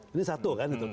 ini satu kan itu